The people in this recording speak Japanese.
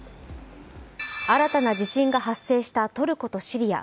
新たな地震が発生したトルコとシリア。